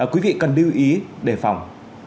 quý vị cần lưu ý để phòng